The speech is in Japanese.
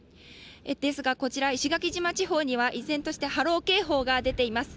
ですがこちら、石垣島地方では依然として波浪警報が出ています。